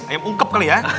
ayam ungkep kali ya